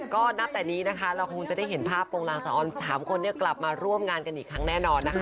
๓คนนี้กลับมาร่วมงานกันอีกครั้งแน่นอนนะค่ะ